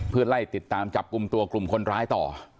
เพื่อไล่ติดตามจับกลุ่มตัวกลุ่มคนร้ายต่อ